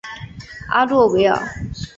阿洛维尔。